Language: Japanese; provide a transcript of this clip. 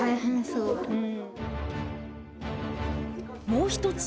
もう一つ